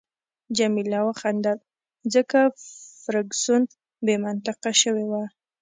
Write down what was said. جميله وخندل، ځکه فرګوسن بې منطقه شوې وه.